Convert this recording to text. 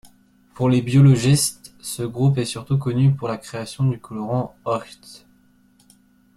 Pour les biologistes, ce groupe est surtout connu pour la création du colorant Hoechst.